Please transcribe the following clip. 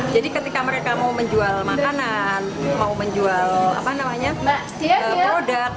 jadi ketika mereka mau menjual makanan mau menjual produk